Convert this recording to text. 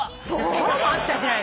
今日も会ったじゃない！